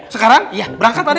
sekarang berangkat adek